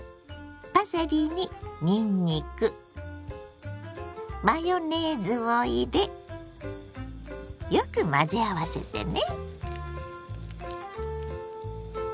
パセリににんにくマヨネーズを入れよく混ぜ合わせてね。